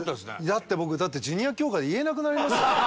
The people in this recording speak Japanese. だって僕ジュニア協会で言えなくなりますよ。